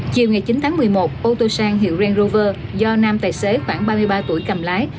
chiều ngày chín tháng một mươi một ô tô sang hiệu ren rover do nam tài xế khoảng ba mươi ba tuổi cầm lái